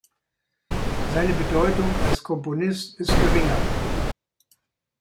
Seine Bedeutung als Komponist ist geringer.